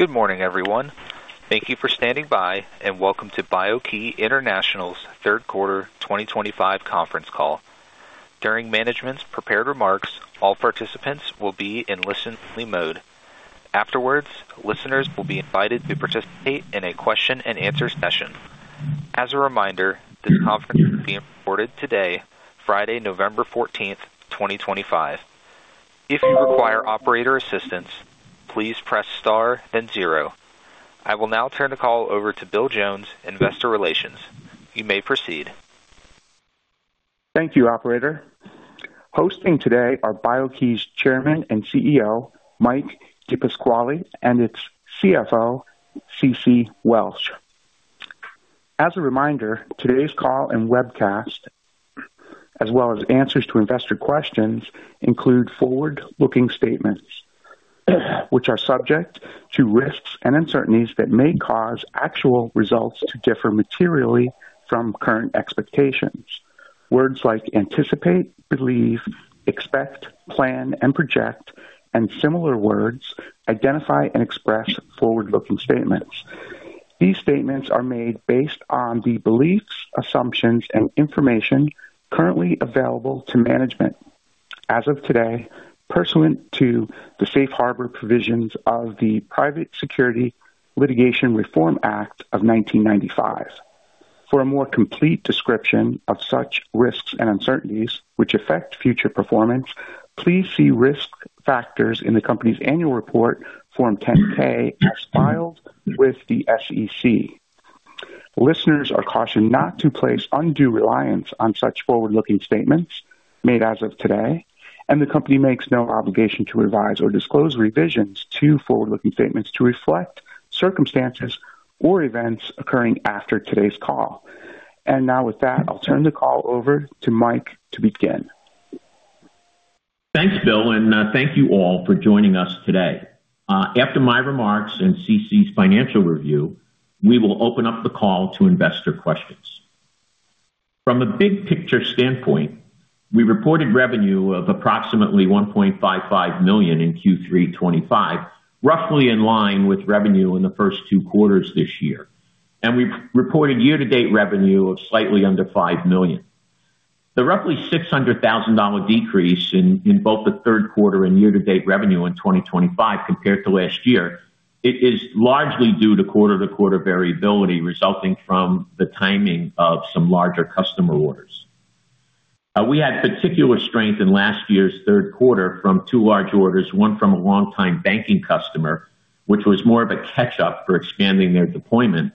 Good morning, everyone. Thank you for standing by, and Welcome to BIO-key International's third quarter 2025 conference call. During management's prepared remarks, all participants will be in listen-only mode. Afterwards, listeners will be invited to participate in a question-and-answer session. As a reminder, this conference is being recorded today, Friday, November 14th, 2025. If you require operator assistance, please press star then zero. I will now turn the call over to Bill Jones, Investor Relations. You may proceed. Thank you, Operator. Hosting today are BIO-key's Chairman and CEO, Mike DePasquale, and its CFO, Ceci Welch. As a reminder, today's call and webcast, as well as answers to investor questions, include forward-looking statements, which are subject to risks and uncertainties that may cause actual results to differ materially from current expectations. Words like anticipate, believe, expect, plan, and project, and similar words identify and express forward-looking statements. These statements are made based on the beliefs, assumptions, and information currently available to management as of today, pursuant to the safe harbor provisions of the Private Securities Litigation Reform Act of 1995. For a more complete description of such risks and uncertainties which affect future performance, please see risk factors in the company's annual report, Form 10-K, as filed with the SEC. Listeners are cautioned not to place undue reliance on such forward-looking statements made as of today, and the company makes no obligation to revise or disclose revisions to forward-looking statements to reflect circumstances or events occurring after today's call. With that, I'll turn the call over to Mike to begin. Thanks, Bill, and thank you all for joining us today. After my remarks and Ceci's financial review, we will open up the call to investor questions. From a big-picture standpoint, we reported revenue of approximately $1.55 million in Q3 2025, roughly in line with revenue in the first two quarters this year. We reported year-to-date revenue of slightly under $5 million. The roughly $600,000 decrease in both the third quarter and year-to-date revenue in 2025 compared to last year is largely due to quarter-to-quarter variability resulting from the timing of some larger customer orders. We had particular strength in last year's third quarter from two large orders, one from a longtime banking customer, which was more of a catch-up for expanding their deployment,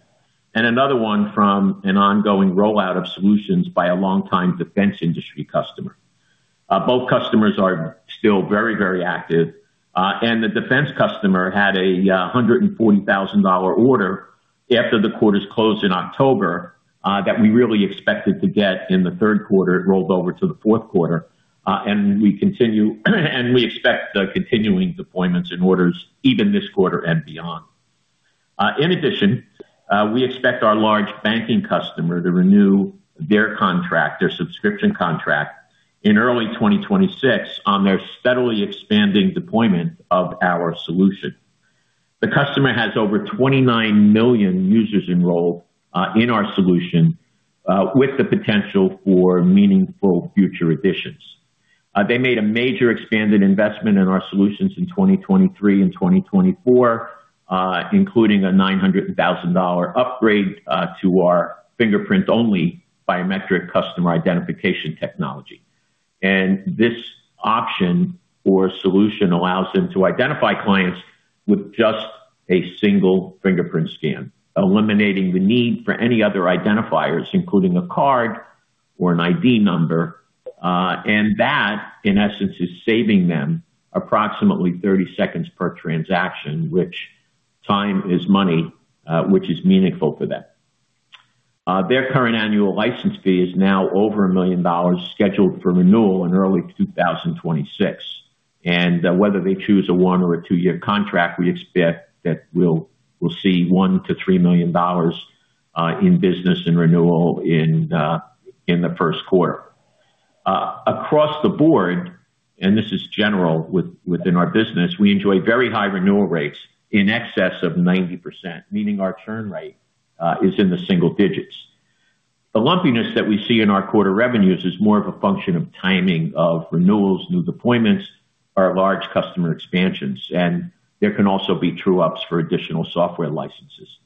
and another one from an ongoing rollout of solutions by a longtime defense industry customer. Both customers are still very, very active. The defense customer had a $140,000 order after the quarter closed in October that we really expected to get in the third quarter. It rolled over to the fourth quarter, and we continue and we expect continuing deployments and orders even this quarter and beyond. In addition, we expect our large banking customer to renew their contract, their subscription contract, in early 2026 on their steadily expanding deployment of our solution. The customer has over 29 million users enrolled in our solution with the potential for meaningful future additions. They made a major expanded investment in our solutions in 2023 and 2024, including a $900,000 upgrade to our fingerprint-only biometric customer identification technology. This option or solution allows them to identify clients with just a single fingerprint scan, eliminating the need for any other identifiers, including a card or an ID number. That, in essence, is saving them approximately 30 seconds per transaction, which time is money, which is meaningful for them. Their current annual license fee is now over $1 million scheduled for renewal in early 2026. Whether they choose a one or a two-year contract, we expect that we'll see $1 million-$3 million in business and renewal in the first quarter. Across the board, and this is general within our business, we enjoy very high renewal rates in excess of 90%, meaning our churn rate is in the single digits. The lumpiness that we see in our quarter revenues is more of a function of timing of renewals, new deployments, or large customer expansions. There can also be true-ups for additional software licenses.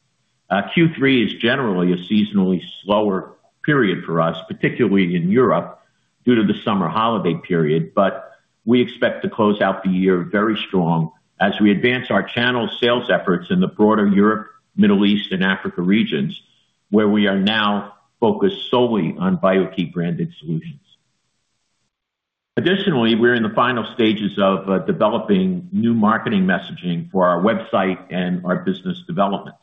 Q3 is generally a seasonally slower period for us, particularly in Europe due to the summer holiday period, but we expect to close out the year very strong as we advance our channel sales efforts in the broader Europe, Middle East, and Africa regions, where we are now focused solely on BIO-key branded solutions. Additionally, we're in the final stages of developing new marketing messaging for our website and our business development.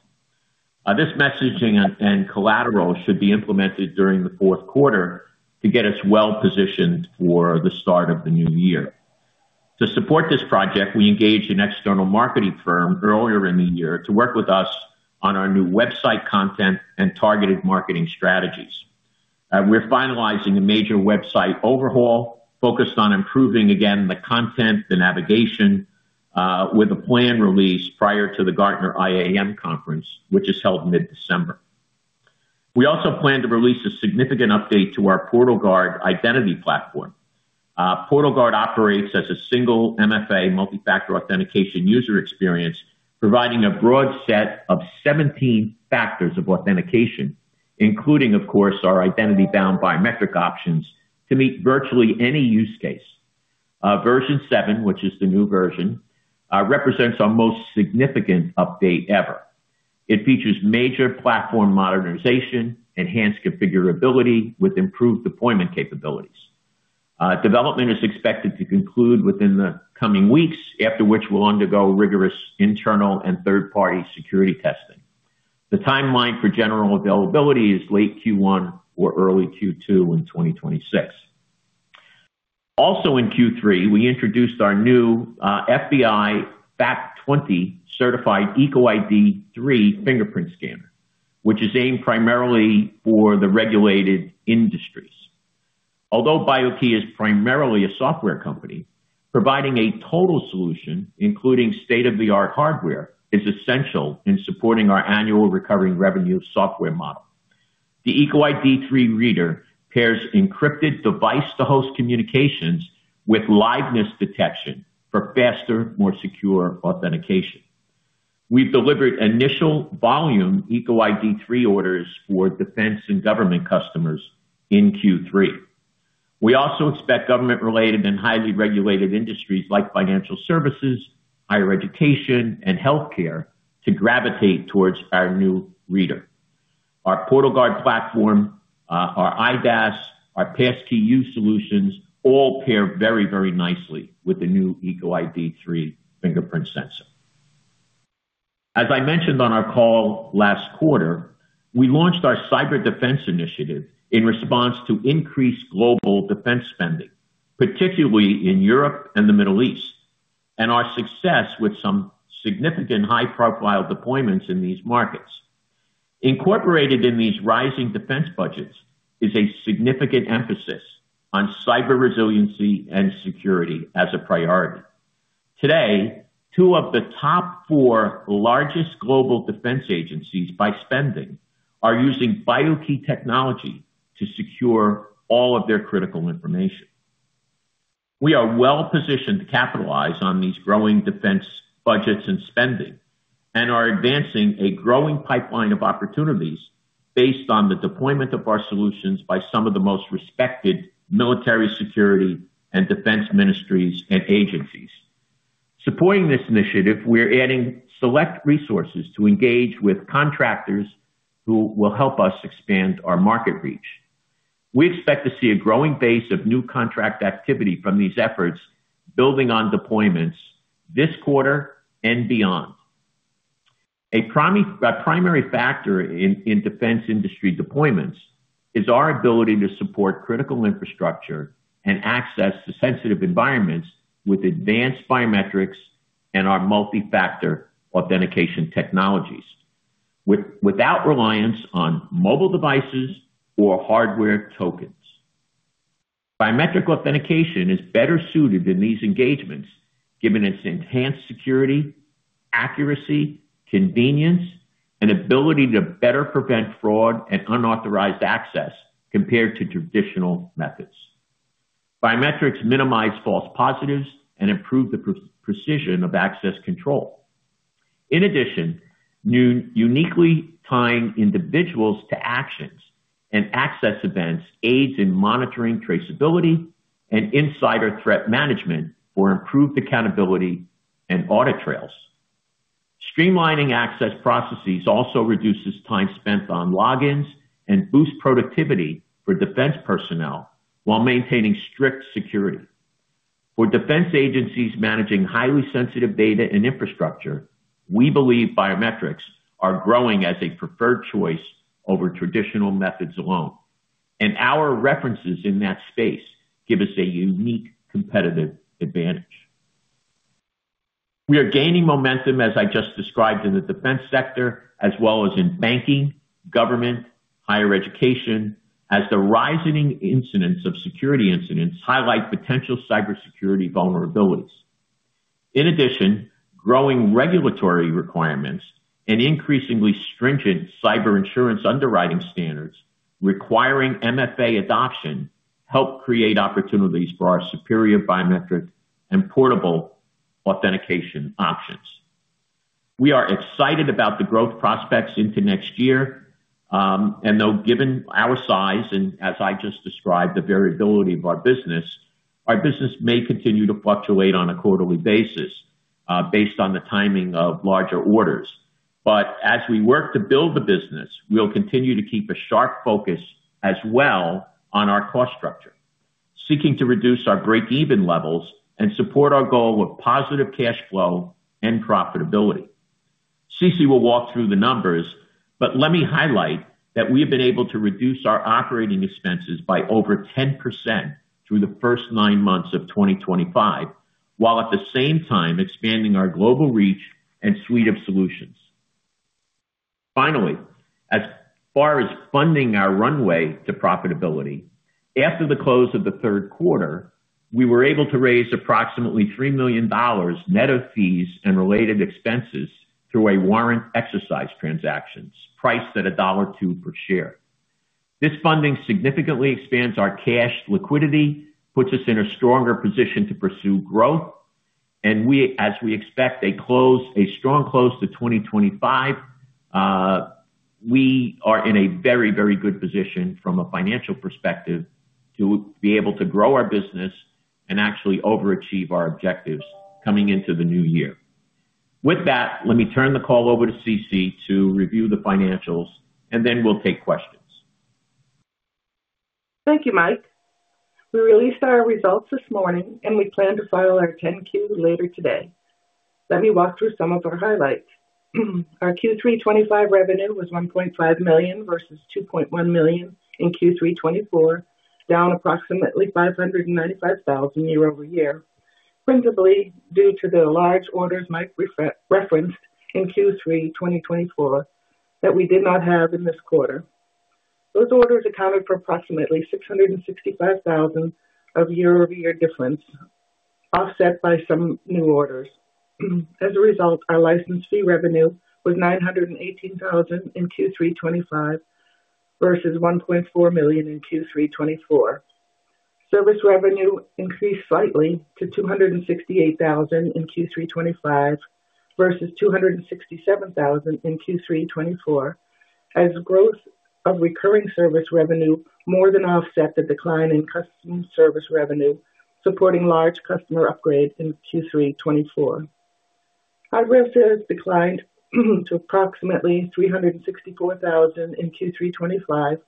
This messaging and collateral should be implemented during the fourth quarter to get us well-positioned for the start of the new year. To support this project, we engaged an external marketing firm earlier in the year to work with us on our new website content and targeted marketing strategies. We're finalizing a major website overhaul focused on improving, again, the content, the navigation, with a plan released prior to the Gartner IAM Conference, which is held mid-December. We also plan to release a significant update to our PortalGuard identity platform. PortalGuard operates as a single MFA multi-factor authentication user experience, providing a broad set of 17 factors of authentication, including, of course, our identity-bound biometric options to meet virtually any use case. Version seven, which is the new version, represents our most significant update ever. It features major platform modernization, enhanced configurability with improved deployment capabilities. Development is expected to conclude within the coming weeks, after which we'll undergo rigorous internal and third-party security testing. The timeline for general availability is late Q1 or early Q2 in 2026. Also in Q3, we introduced our new FBI FAP 20 certified EcoID III fingerprint scanner, which is aimed primarily for the regulated industries. Although BIO-key is primarily a software company, providing a total solution, including state-of-the-art hardware, is essential in supporting our annual recurring revenue software model. The EcoID III reader pairs encrypted device-to-host communications with liveness detection for faster, more secure authentication. We've delivered initial volume EcoID III orders for defense and government customers in Q3. We also expect government-related and highly regulated industries like financial services, higher education, and healthcare to gravitate towards our new reader. Our PortalGuard platform, our IDaaS, our passkey use solutions all pair very, very nicely with the new EcoID III fingerprint sensor. As I mentioned on our call last quarter, we launched our cyber defense initiative in response to increased global defense spending, particularly in Europe and the Middle East, and our success with some significant high-profile deployments in these markets. Incorporated in these rising defense budgets is a significant emphasis on cyber resiliency and security as a priority. Today, two of the top four largest global defense agencies by spending are using BIO-key technology to secure all of their critical information. We are well-positioned to capitalize on these growing defense budgets and spending and are advancing a growing pipeline of opportunities based on the deployment of our solutions by some of the most respected military security and defense ministries and agencies. Supporting this initiative, we're adding select resources to engage with contractors who will help us expand our market reach. We expect to see a growing base of new contract activity from these efforts, building on deployments this quarter and beyond. A primary factor in defense industry deployments is our ability to support critical infrastructure and access to sensitive environments with advanced biometrics and our multi-factor authentication technologies, without reliance on mobile devices or hardware tokens. Biometric authentication is better suited in these engagements, given its enhanced security, accuracy, convenience, and ability to better prevent fraud and unauthorized access compared to traditional methods. Biometrics minimize false positives and improve the precision of access control. In addition, uniquely tying individuals to actions and access events aids in monitoring traceability and insider threat management for improved accountability and audit trails. Streamlining access processes also reduces time spent on logins and boosts productivity for defense personnel while maintaining strict security. For defense agencies managing highly sensitive data and infrastructure, we believe biometrics are growing as a preferred choice over traditional methods alone. Our references in that space give us a unique competitive advantage. We are gaining momentum, as I just described, in the defense sector, as well as in banking, government, higher education, as the rising incidence of security incidents highlights potential cybersecurity vulnerabilities. In addition, growing regulatory requirements and increasingly stringent cyber insurance underwriting standards requiring MFA adoption help create opportunities for our superior biometric and portable authentication options. We are excited about the growth prospects into next year. Though, given our size and, as I just described, the variability of our business, our business may continue to fluctuate on a quarterly basis based on the timing of larger orders. As we work to build the business, we'll continue to keep a sharp focus as well on our cost structure, seeking to reduce our break-even levels and support our goal of positive cash flow and profitability. Ceci will walk through the numbers, but let me highlight that we have been able to reduce our operating expenses by over 10% through the first nine months of 2023, while at the same time expanding our global reach and suite of solutions. Finally, as far as funding our runway to profitability, after the close of the third quarter, we were able to raise approximately $3 million net of fees and related expenses through a warrant exercise transaction, priced at $1.02 per share. This funding significantly expands our cash liquidity, puts us in a stronger position to pursue growth. As we expect a strong close to 2025, we are in a very, very good position from a financial perspective to be able to grow our business and actually overachieve our objectives coming into the new year. With that, let me turn the call over to Ceci to review the financials, and then we'll take questions. Thank you, Mike. We released our results this morning, and we plan to file our 10-Q later today. Let me walk through some of our highlights. Our Q3 2025 revenue was $1.5 million versus $2.1 million in Q3 2024, down approximately $595,000 year-over-year, principally due to the large orders Mike referenced in Q3 2024 that we did not have in this quarter. Those orders accounted for approximately $665,000 of year-over-year difference, offset by some new orders. As a result, our license fee revenue was $918,000 in Q3 2025 versus $1.4 million in Q3 2024. Service revenue increased slightly to $268,000 in Q3 2025 versus $267,000 in Q3 2024, as growth of recurring service revenue more than offset the decline in customer service revenue, supporting large customer upgrades in Q3 2024. Hardware sales declined to approximately $364,000 in Q3 2025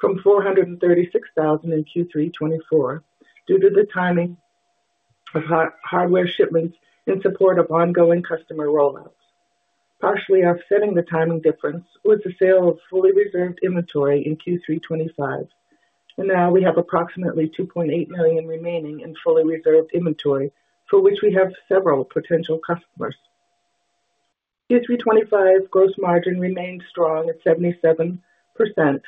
from $436,000 in Q3 2024 due to the timing of hardware shipments in support of ongoing customer rollouts. Partially offsetting the timing difference was the sale of fully reserved inventory in Q3 2025. Now we have approximately $2.8 million remaining in fully reserved inventory, for which we have several potential customers. Q3 2025 gross margin remained strong at 77%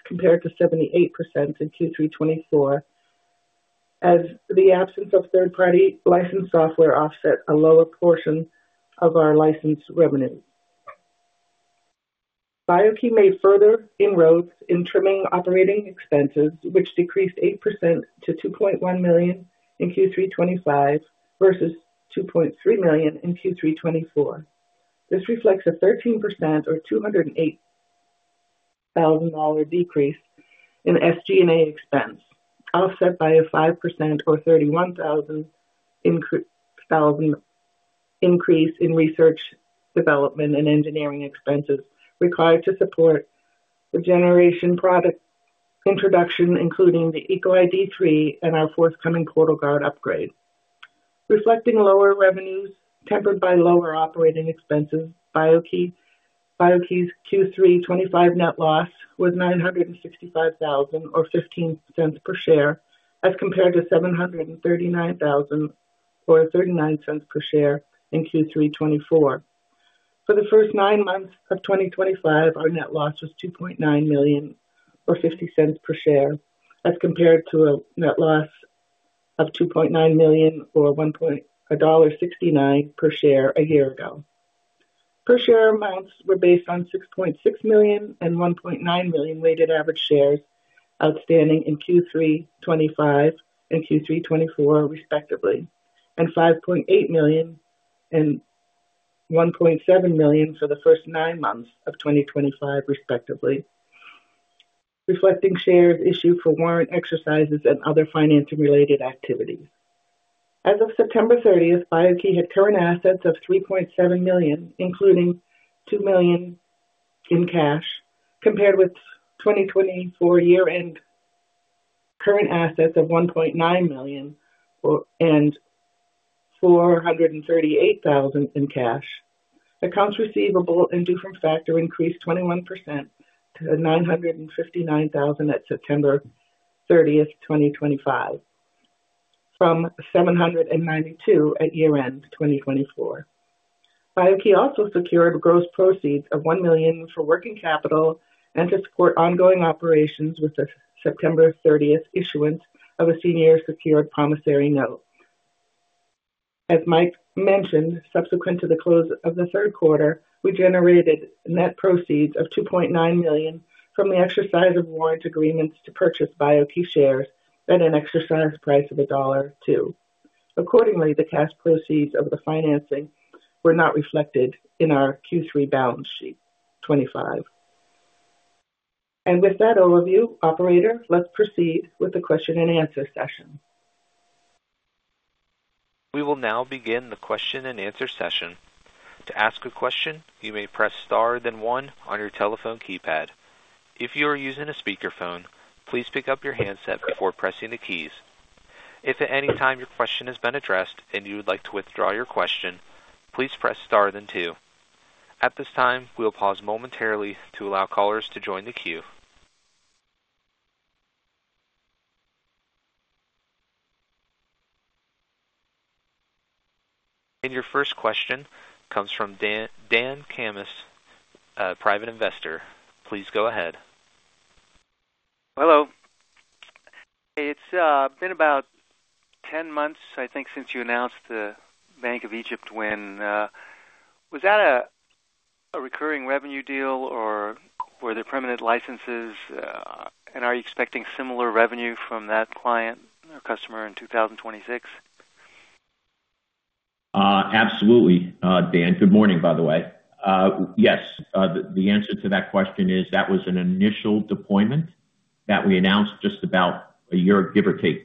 compared to 78% in Q3 2024, as the absence of third-party licensed software offset a lower portion of our licensed revenue. BIO-key made further inroads in trimming operating expenses, which decreased 8% to $2.1 million in Q3 2025 versus $2.3 million in Q3 2024. This reflects a 13% or $208,000 decrease in SG&A expense, offset by a 5% or $31,000 increase in research, development, and engineering expenses required to support the generation product introduction, including the EcoID III and our forthcoming PortalGuard upgrade. Reflecting lower revenues tempered by lower operating expenses, BIO-key's Q3 2025 net loss was $965,000 or $0.15 per share, as compared to $739,000 or $0.39 per share in Q3 2024. For the first nine months of 2025, our net loss was $2.9 million or $0.50 per share, as compared to a net loss of $2.9 million or $1.69 per share a year ago. Per share amounts were based on 6.6 million and 1.9 million weighted average shares outstanding in Q3 2025 and Q3 2024, respectively, and 5.8 million and 1.7 million for the first nine months of 2025, respectively, reflecting shares issued for warrant exercises and other financing-related activities. As of September 30th, BIO-key had current assets of $3.7 million, including $2 million in cash, compared with 2024 year-end current assets of $1.9 million and $438,000 in cash. Accounts receivable and different factors increased 21% to $959,000 at September 30th, 2025, from $792,000 at year-end 2024. BIO-key also secured gross proceeds of $1 million for working capital and to support ongoing operations with the September 30th issuance of a senior secured commissary note. As Mike mentioned, subsequent to the close of the third quarter, we generated net proceeds of $2.9 million from the exercise of warrant agreements to purchase BIO-key shares at an exercise price of $1.02. Accordingly, the cash proceeds of the financing were not reflected in our Q3 balance sheet 2025. With that overview, Operator, let's proceed with the question and answer session. We will now begin the question and answer session. To ask a question, you may press star then one on your telephone keypad. If you are using a speakerphone, please pick up your handset before pressing the keys. If at any time your question has been addressed and you would like to withdraw your question, please press star then two. At this time, we'll pause momentarily to allow callers to join the queue. Your first question comes from Dan Camas, Private Investor. Please go ahead. Hello. It's been about 10 months, I think, since you announced the Bank of Egypt win. Was that a recurring revenue deal, or were there permanent licenses? Are you expecting similar revenue from that client or customer in 2026? Absolutely. Dan, good morning, by the way. Yes, the answer to that question is that was an initial deployment that we announced just about a year, give or take,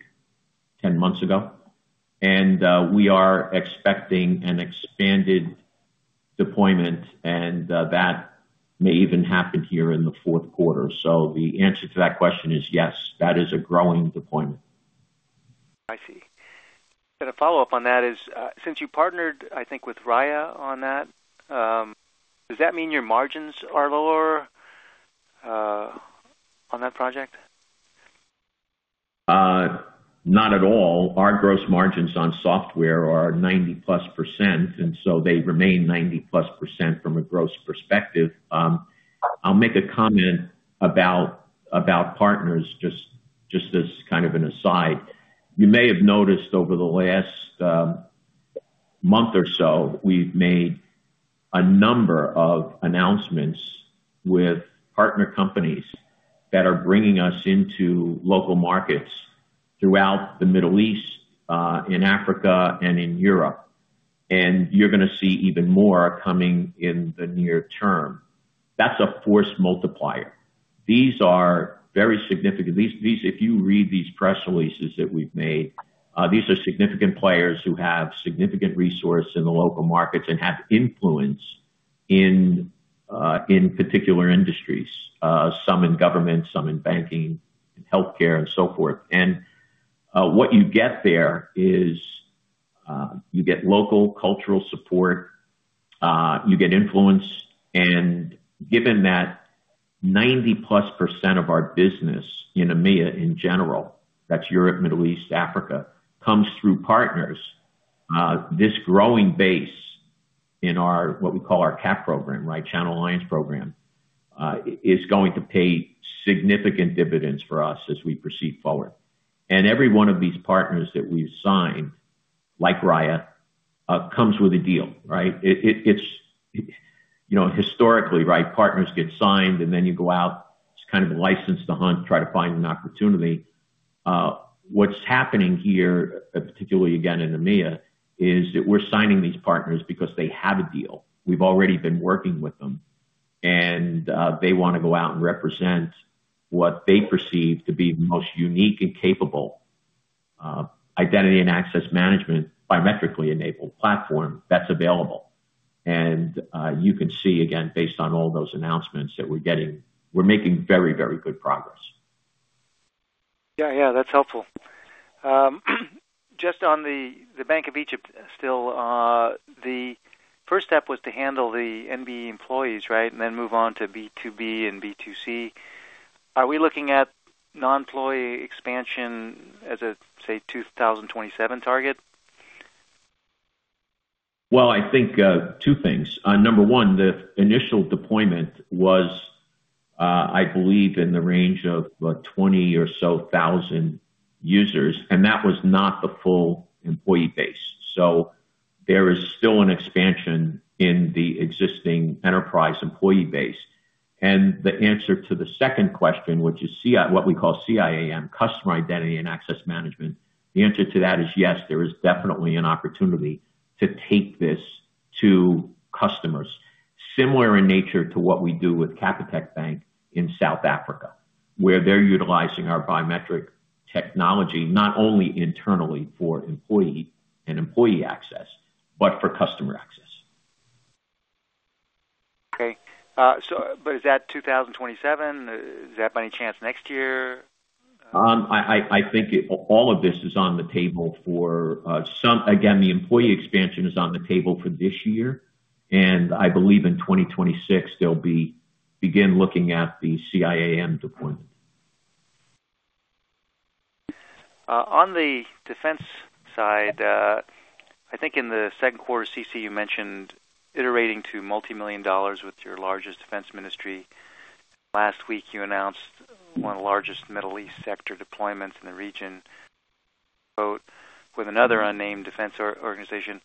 10 months ago. We are expecting an expanded deployment, and that may even happen here in the fourth quarter. The answer to that question is yes, that is a growing deployment. I see. A follow-up on that is, since you partnered, I think, with Raya on that, does that mean your margins are lower on that project? Not at all. Our gross margins on software are 90+%, and so they remain 90+% from a gross perspective. I'll make a comment about partners, just as kind of an aside. You may have noticed over the last month or so, we've made a number of announcements with partner companies that are bringing us into local markets throughout the Middle East, in Africa, and in Europe. You're going to see even more coming in the near term. That's a force multiplier. These are very significant. If you read these press releases that we've made, these are significant players who have significant resources in the local markets and have influence in particular industries, some in government, some in banking, healthcare, and so forth. What you get there is you get local cultural support, you get influence. Given that 90+% of our business in EMEA, in general, that's Europe, Middle East, Africa, comes through partners, this growing base in what we call our CAP program, right, Channel Alliance program, is going to pay significant dividends for us as we proceed forward. Every one of these partners that we've signed, like Raya, comes with a deal, right? Historically, partners get signed, and then you go out, it's kind of a license to hunt, try to find an opportunity. What's happening here, particularly again in EMEA, is that we're signing these partners because they have a deal. We've already been working with them, and they want to go out and represent what they perceive to be the most unique and capable identity and access management biometrically-enabled platform that's available. You can see, again, based on all those announcements that we're getting, we're making very, very good progress. Yeah, yeah, that's helpful. Just on the Bank of Egypt still, the first step was to handle the NBE employees, right, and then move on to B2B and B2C. Are we looking at non-employee expansion as a, say, 2027 target? I think two things. Number one, the initial deployment was, I believe, in the range of 20 or so thousand users, and that was not the full employee base. There is still an expansion in the existing enterprise employee base. The answer to the second question, which is what we call CIAM, Customer Identity and Access Management, the answer to that is yes, there is definitely an opportunity to take this to customers, similar in nature to what we do with Capitec Bank in South Africa, where they're utilizing our biometric technology, not only internally for employee and employee access, but for customer access. Okay. Is that 2027? Is that by any chance next year? I think all of this is on the table for some. Again, the employee expansion is on the table for this year. I believe in 2026, they'll begin looking at the CIAM deployment. On the defense side, I think in the second quarter, Ceci, you mentioned iterating to multi-million dollars with your largest defense ministry. Last week, you announced one of the largest Middle East sector deployments in the region with another unnamed defense organization.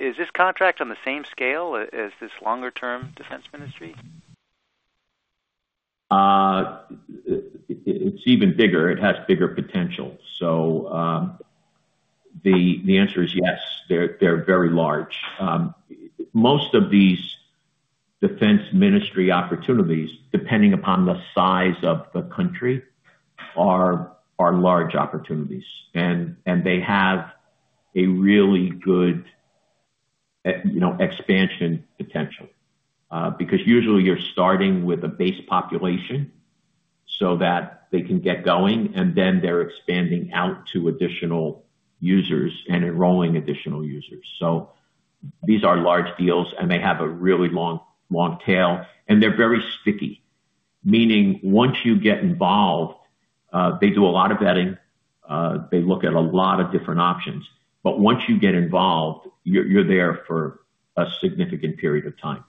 Is this contract on the same scale as this longer-term defense ministry? It's even bigger. It has bigger potential. The answer is yes, they're very large. Most of these defense ministry opportunities, depending upon the size of the country, are large opportunities. They have a really good expansion potential because usually you're starting with a base population so that they can get going, and then they're expanding out to additional users and enrolling additional users. These are large deals, and they have a really long tail. They're very sticky, meaning once you get involved, they do a lot of vetting. They look at a lot of different options. Once you get involved, you're there for a significant period of time.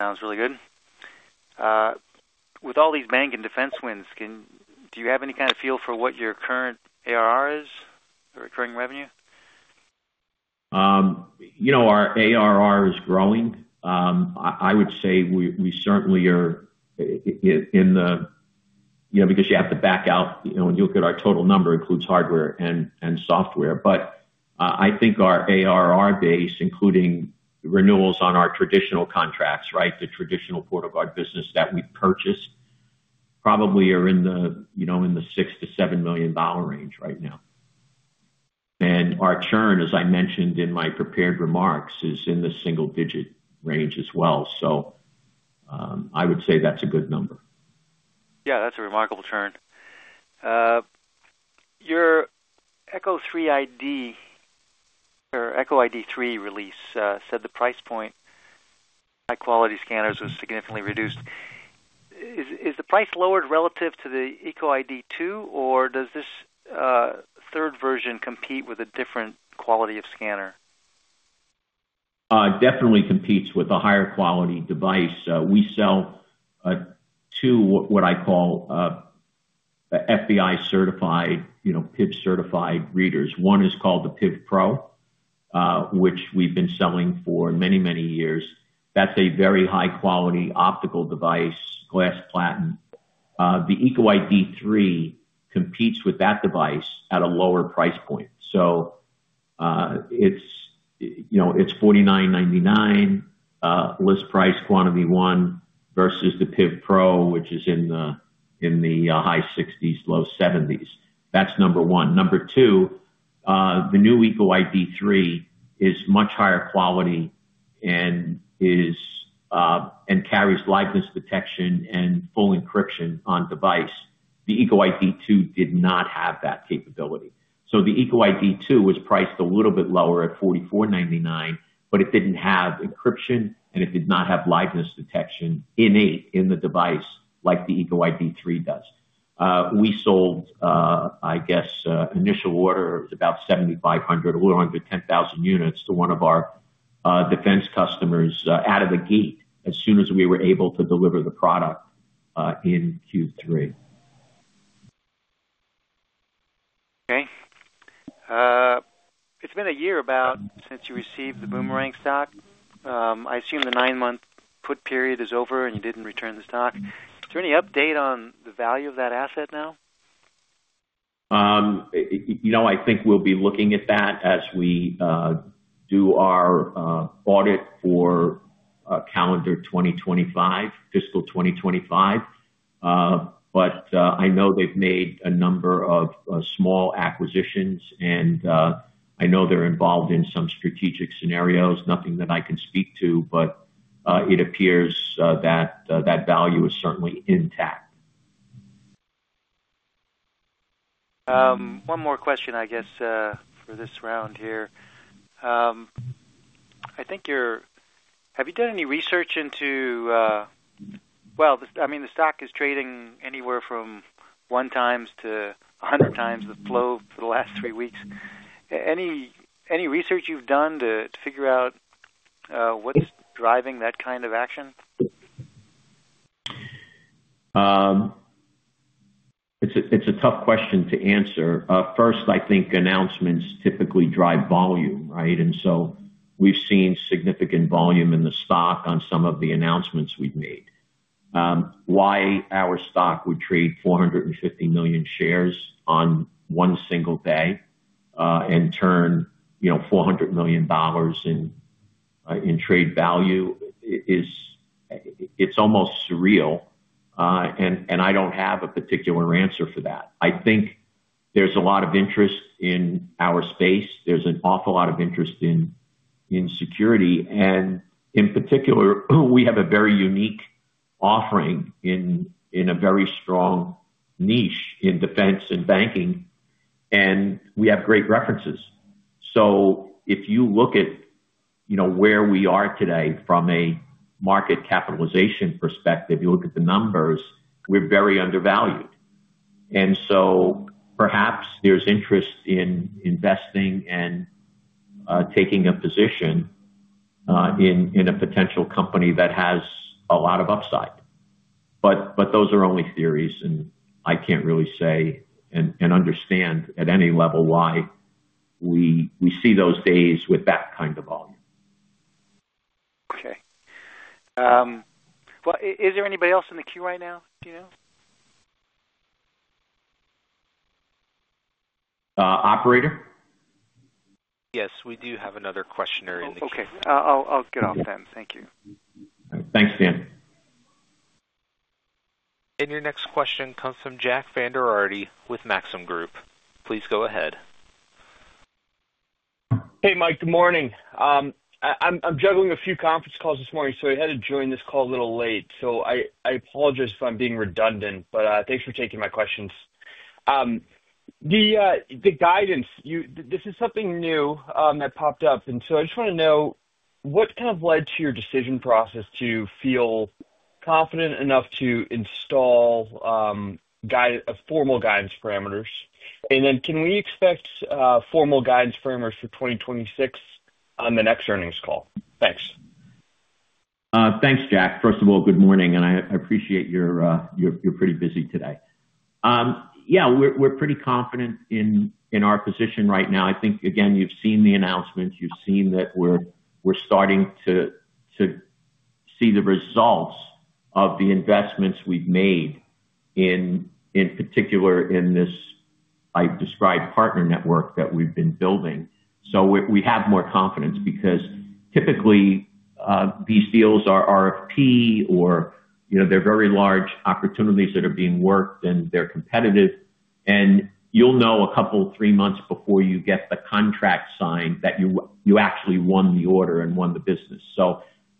Sounds really good. With all these bank and defense wins, do you have any kind of feel for what your current ARR is, the recurring revenue? Our ARR is growing. I would say we certainly are in the because you have to back out. When you look at our total number, it includes hardware and software. I think our ARR base, including renewals on our traditional contracts, right, the traditional PortalGuard business that we purchased, probably are in the $6 million-$7 million range right now. Our churn, as I mentioned in my prepared remarks, is in the single-digit range as well. I would say that's a good number. Yeah, that's a remarkable churn. Your EcoID III release said the price point, high-quality scanners was significantly reduced. Is the price lowered relative to the EcoID II, or does this third version compete with a different quality of scanner? Definitely competes with a higher-quality device. We sell two what I call FBI-certified, PIV-certified readers. One is called the PIV-Pro, which we've been selling for many, many years. That's a very high-quality optical device, glass platinum. The EcoID III competes with that device at a lower price point. So it's $49.99, list price quantity one versus the PIV-Pro, which is in the high $60s, low $70s. That's number one. Number two, the new EcoID III is much higher quality and carries liveness detection and full encryption on device. The EcoID II did not have that capability. So the EcoID II was priced a little bit lower at $44.99, but it didn't have encryption, and it did not have liveness detection innate in the device like the EcoID III does. We sold, I guess, initial order was about 7,500 units a little under 10,000 units to one of our defense customers out of the gate as soon as we were able to deliver the product in Q3. Okay. It's been a year about since you received the boomerang stock. I assume the nine-month put period is over and you didn't return the stock. Is there any update on the value of that asset now? I think we'll be looking at that as we do our audit for calendar 2025, fiscal 2025. I know they've made a number of small acquisitions, and I know they're involved in some strategic scenarios. Nothing that I can speak to, it appears that that value is certainly intact. One more question, I guess, for this round here. I think you're, have you done any research into, well, I mean, the stock is trading anywhere from 1x-100x the flow for the last three weeks. Any research you've done to figure out what's driving that kind of action? It's a tough question to answer. First, I think announcements typically drive volume, right? We've seen significant volume in the stock on some of the announcements we've made. Why our stock would trade 450 million shares on one single day and turn $400 million in trade value, it's almost surreal. I don't have a particular answer for that. I think there's a lot of interest in our space. There's an awful lot of interest in security. In particular, we have a very unique offering in a very strong niche in defense and banking, and we have great references. If you look at where we are today from a market capitalization perspective, you look at the numbers, we're very undervalued. Perhaps there's interest in investing and taking a position in a potential company that has a lot of upside. Those are only theories, and I can't really say and understand at any level why we see those days with that kind of volume. Okay. Is there anybody else in the queue right now? Do you know? Operator? Yes, we do have another questioner in the queue. Okay. I'll get off then. Thank you. Thanks, Dan. Your next question comes from Jack Vander Aarde with Maxim Group. Please go ahead. Hey, Mike. Good morning. I'm juggling a few conference calls this morning, so I had to join this call a little late. I apologize if I'm being redundant, but thanks for taking my questions. The guidance, this is something new that popped up. I just want to know what kind of led to your decision process to feel confident enough to install formal guidance parameters? Can we expect formal guidance parameters for 2026 on the next earnings call? Thanks. Thanks, Jack. First of all, good morning, and I appreciate you're pretty busy today. Yeah, we're pretty confident in our position right now. I think, again, you've seen the announcements. You've seen that we're starting to see the results of the investments we've made, in particular in this, I've described, partner network that we've been building. We have more confidence because typically these deals are RFP or they're very large opportunities that are being worked and they're competitive. You'll know a couple, three months before you get the contract signed that you actually won the order and won the business.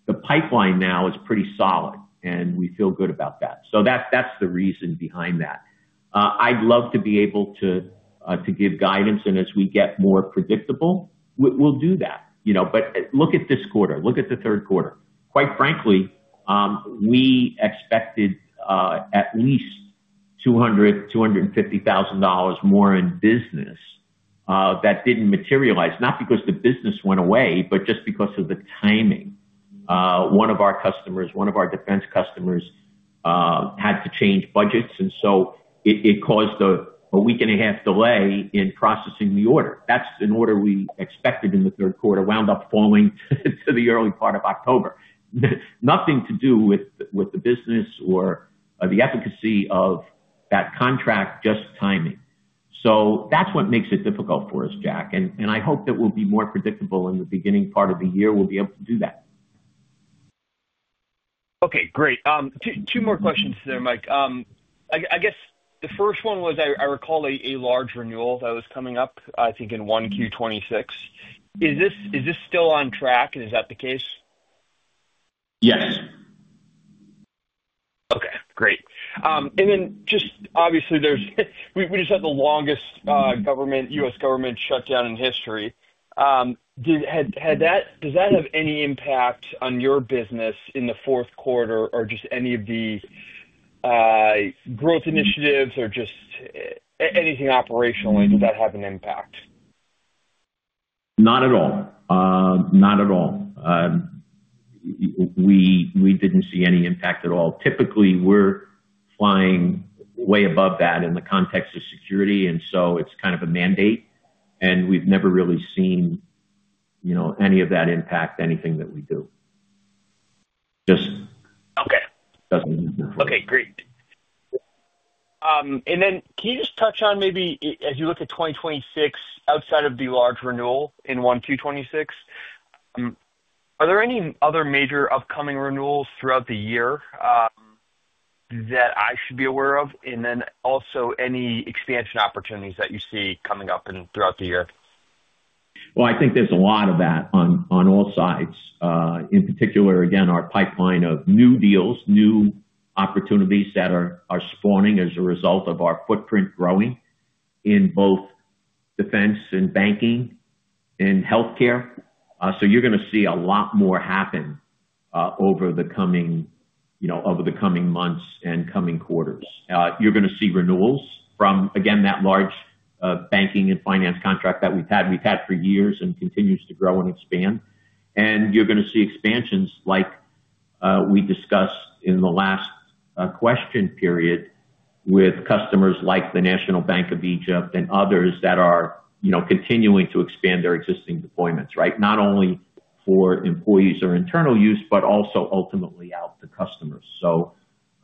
The pipeline now is pretty solid, and we feel good about that. That's the reason behind that. I'd love to be able to give guidance, and as we get more predictable, we'll do that. Look at this quarter. Look at the third quarter. Quite frankly, we expected at least $200,000, $250,000 more in business that did not materialize, not because the business went away, but just because of the timing. One of our customers, one of our defense customers had to change budgets, and so it caused a week and a half delay in processing the order. That is an order we expected in the third quarter wound up falling to the early part of October. Nothing to do with the business or the efficacy of that contract, just timing. That is what makes it difficult for us, Jack. I hope that we will be more predictable in the beginning part of the year. We will be able to do that. Okay. Great. Two more questions there, Mike. I guess the first one was I recall a large renewal that was coming up, I think in 1Q 2026. Is this still on track, and is that the case? Yes. Okay. Great. Obviously, we just had the longest U.S. government shutdown in history. Does that have any impact on your business in the fourth quarter or just any of the growth initiatives or just anything operationally? Did that have an impact? Not at all. Not at all. We did not see any impact at all. Typically, we are flying way above that in the context of security, and so it is kind of a mandate. We have never really seen any of that impact anything that we do. Just does not mean nothing. Okay. Great. Can you just touch on maybe as you look at 2026 outside of the large renewal in Q1 2026, are there any other major upcoming renewals throughout the year that I should be aware of? Also, any expansion opportunities that you see coming up throughout the year? I think there's a lot of that on all sides. In particular, again, our pipeline of new deals, new opportunities that are spawning as a result of our footprint growing in both defense and banking and healthcare. You're going to see a lot more happen over the coming months and coming quarters. You're going to see renewals from, again, that large banking and finance contract that we've had. We've had for years and continues to grow and expand. You're going to see expansions like we discussed in the last question period with customers like the National Bank of Egypt and others that are continuing to expand their existing deployments, right? Not only for employees or internal use, but also ultimately out to customers.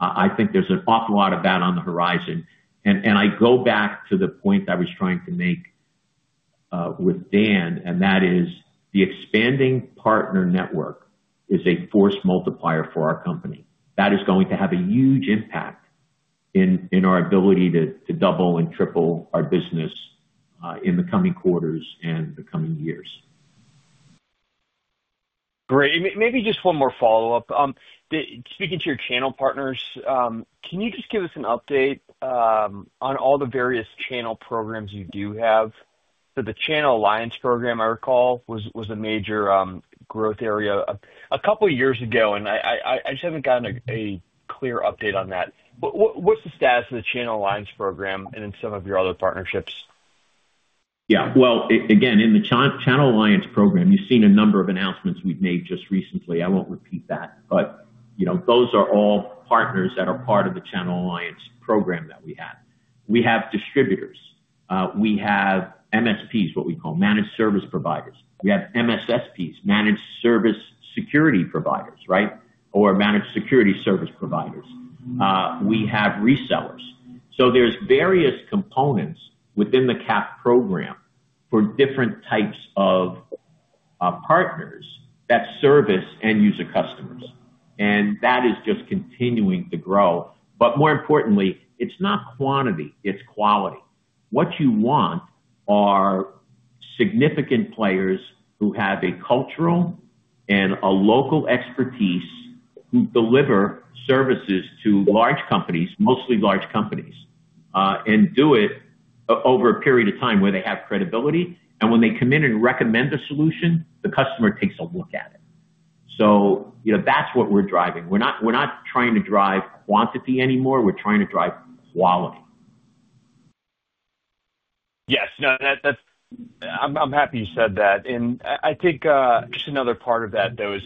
I think there's an awful lot of that on the horizon. I go back to the point I was trying to make with Dan, and that is the expanding partner network is a force multiplier for our company. That is going to have a huge impact in our ability to double and triple our business in the coming quarters and the coming years. Great. Maybe just one more follow-up. Speaking to your channel partners, can you just give us an update on all the various channel programs you do have? The Channel Alliance program, I recall, was a major growth area a couple of years ago, and I just have not gotten a clear update on that. What is the status of the Channel Alliance program and then some of your other partnerships? Yeah. Again, in the Channel Alliance program, you've seen a number of announcements we've made just recently. I won't repeat that, but those are all partners that are part of the Channel Alliance program that we have. We have distributors. We have MSPs, what we call Managed Service Providers. We have MSSPs, Managed Security Service Providers, right, or Managed Security Service Providers. We have resellers. There are various components within the CAP program for different types of partners that service end-user customers. That is just continuing to grow. More importantly, it's not quantity. It's quality. What you want are significant players who have a cultural and a local expertise who deliver services to large companies, mostly large companies, and do it over a period of time where they have credibility. When they come in and recommend a solution, the customer takes a look at it. That's what we're driving. We're not trying to drive quantity anymore. We're trying to drive quality. Yes. No, I'm happy you said that. I think just another part of that, though, is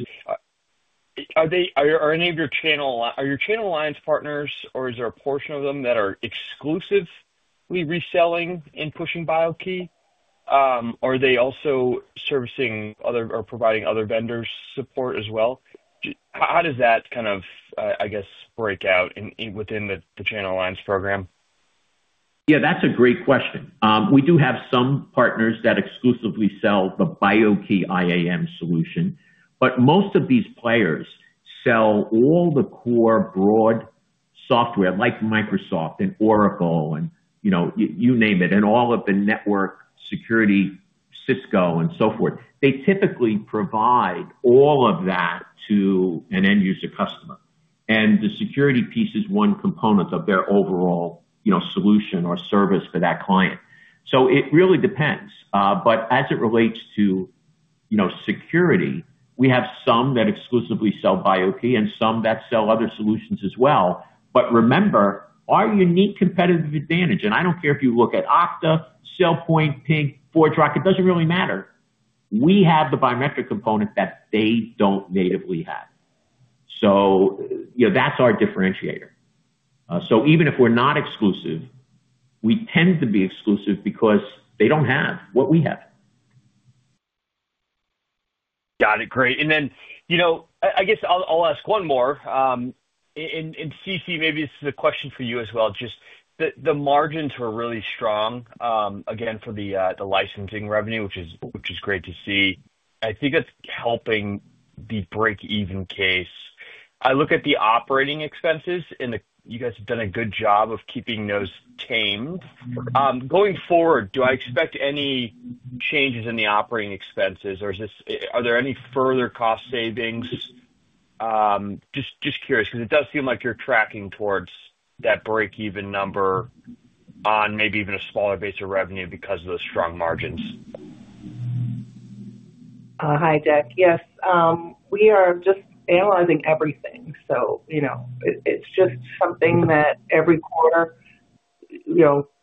are any of your channel, are your Channel Alliance Partners, or is there a portion of them that are exclusively reselling and pushing BIO-key? Are they also servicing other or providing other vendors' support as well? How does that kind of, I guess, break out within the Channel Alliance program? Yeah, that's a great question. We do have some partners that exclusively sell the BIO-key IAM solution, but most of these players sell all the core broad software like Microsoft and Oracle and you name it, and all of the network security, Cisco, and so forth. They typically provide all of that to an end-user customer. The security piece is one component of their overall solution or service for that client. It really depends. As it relates to security, we have some that exclusively sell BIO-key and some that sell other solutions as well. Remember, our unique competitive advantage, and I don't care if you look at Okta, SailPoint, Ping, ForgeRock, it doesn't really matter. We have the biometric component that they don't natively have. That's our differentiator. Even if we're not exclusive, we tend to be exclusive because they don't have what we have. Got it. Great. I guess I'll ask one more. Ceci, maybe this is a question for you as well. Just the margins were really strong, again, for the licensing revenue, which is great to see. I think it's helping the break-even case. I look at the operating expenses, and you guys have done a good job of keeping those tamed. Going forward, do I expect any changes in the operating expenses, or are there any further cost savings? Just curious because it does seem like you're tracking towards that break-even number on maybe even a smaller base of revenue because of those strong margins. Hi, Jack. Yes. We are just analyzing everything. It is just something that every quarter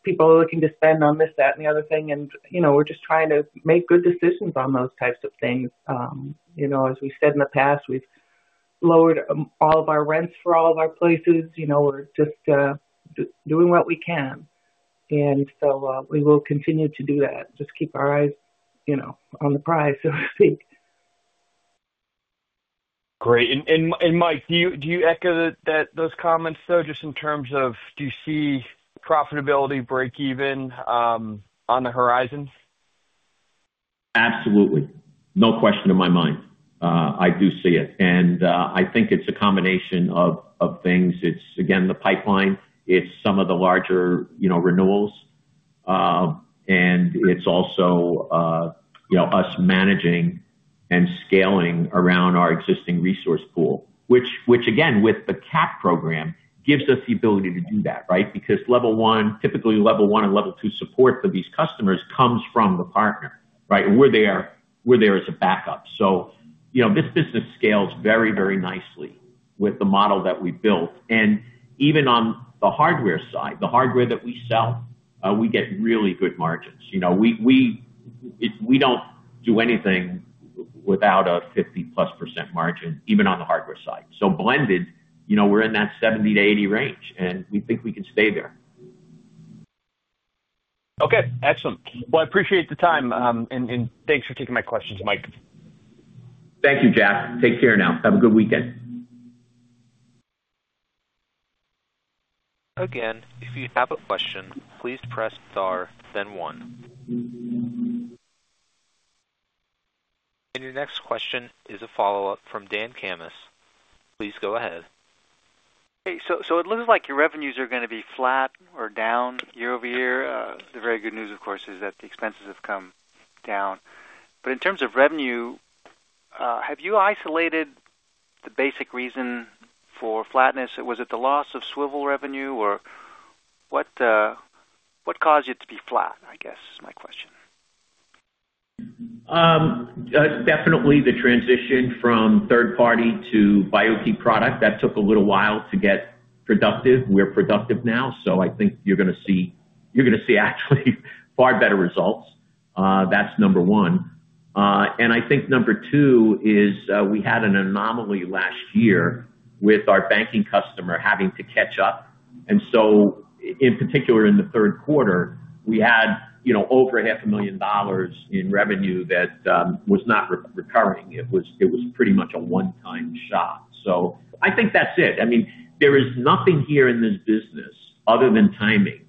people are looking to spend on this, that, and the other thing. We are just trying to make good decisions on those types of things. As we said in the past, we have lowered all of our rents for all of our places. We are just doing what we can. We will continue to do that. Just keep our eyes on the prize, so to speak. Great. Mike, do you echo those comments, though, just in terms of do you see profitability break-even on the horizon? Absolutely. No question in my mind. I do see it. I think it's a combination of things. It's, again, the pipeline. It's some of the larger renewals. It's also us managing and scaling around our existing resource pool, which, again, with the CAP program gives us the ability to do that, right? Typically level one and level two support for these customers comes from the partner, right? We're there as a backup. This business scales very, very nicely with the model that we built. Even on the hardware side, the hardware that we sell, we get really good margins. We don't do anything without a 50+% margin, even on the hardware side. Blended, we're in that 70%-80% range, and we think we can stay there. Okay. Excellent. I appreciate the time, and thanks for taking my questions, Mike. Thank you, Jack. Take care now. Have a good weekend. Again, if you have a question, please press star, then one. Your next question is a follow-up from Dan Camas. Please go ahead. Hey. It looks like your revenues are going to be flat or down year-over-year. The very good news, of course, is that the expenses have come down. In terms of revenue, have you isolated the basic reason for flatness? Was it the loss of swivel revenue, or what caused it to be flat, I guess, is my question? Definitely the transition from third-party to BIO-key product. That took a little while to get productive. We're productive now. I think you're going to see actually far better results. That's number one. I think number two is we had an anomaly last year with our banking customer having to catch up. In particular, in the third quarter, we had over $500,000 in revenue that was not recurring. It was pretty much a one-time shot. I think that's it. I mean, there is nothing here in this business other than timing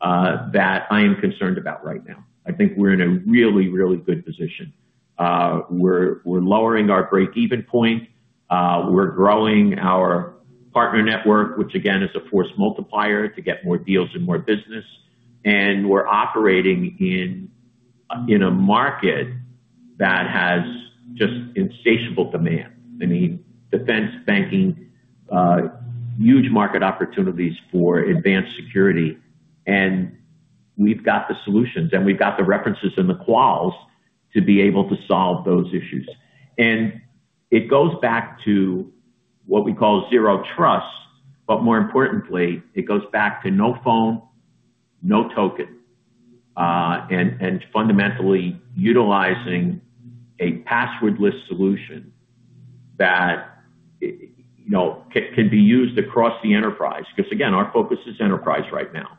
that I am concerned about right now. I think we're in a really, really good position. We're lowering our break-even point. We're growing our partner network, which again is a force multiplier to get more deals and more business. We're operating in a market that has just insatiable demand. I mean, defense, banking, huge market opportunities for advanced security. We've got the solutions, and we've got the references and the quals to be able to solve those issues. It goes back to what we call zero trust, but more importantly, it goes back to no phone, no token, and fundamentally utilizing a passwordless solution that can be used across the enterprise. Because again, our focus is enterprise right now.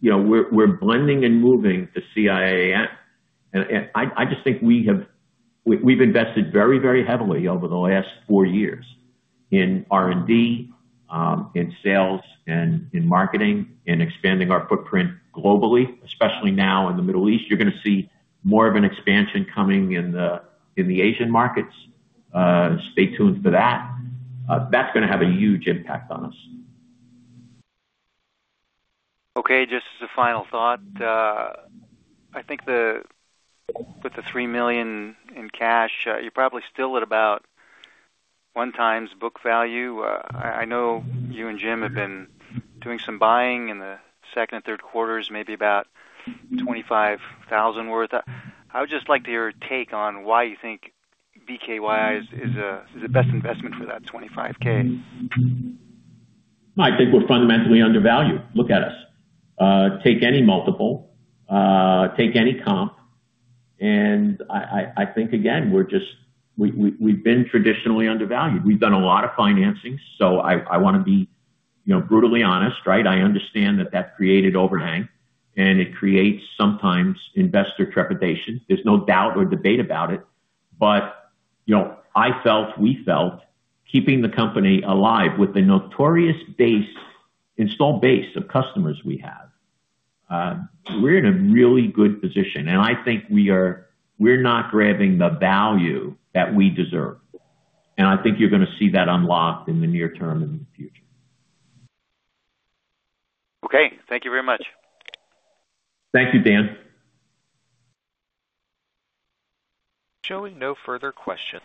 We're blending and moving to CIAM. I just think we've invested very, very heavily over the last four years in R&D, in sales, and in marketing, and expanding our footprint globally, especially now in the Middle East. You're going to see more of an expansion coming in the Asian markets. Stay tuned for that. That's going to have a huge impact on us. Okay. Just as a final thought, I think with the $3 million in cash, you're probably still at about one time's book value. I know you and Jim have been doing some buying in the second and third quarters, maybe about $25,000 worth. I would just like to hear your take on why you think BIO-key is the best investment for that $25,000. I think we're fundamentally undervalued. Look at us. Take any multiple, take any comp. I think, again, we've been traditionally undervalued. We've done a lot of financing. I want to be brutally honest, right? I understand that that created overhang, and it creates sometimes investor trepidation. There's no doubt or debate about it. I felt, we felt, keeping the company alive with the notorious installed base of customers we have, we're in a really good position. I think we're not grabbing the value that we deserve. I think you're going to see that unlocked in the near term and in the future. Okay. Thank you very much. Thank you, Dan. Showing no further questions,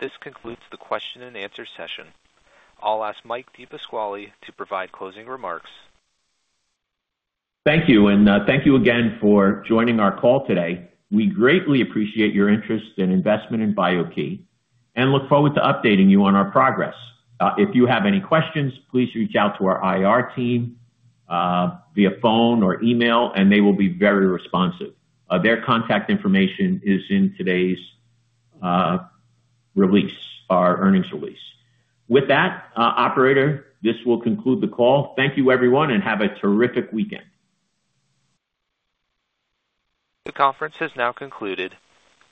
this concludes the question-and-answer session. I'll ask Mike DePasquale to provide closing remarks. Thank you. Thank you again for joining our call today. We greatly appreciate your interest in investment in BIO-key and look forward to updating you on our progress. If you have any questions, please reach out to our IR team via phone or email, and they will be very responsive. Their contact information is in today's release, our earnings release. With that, Operator, this will conclude the call. Thank you, everyone, and have a terrific weekend. The conference has now concluded.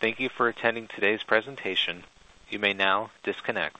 Thank you for attending today's presentation. You may now disconnect.